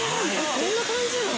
こんな感じなん？